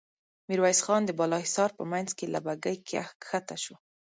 ميرويس خان د بالا حصار په مينځ کې له بګۍ کښته شو.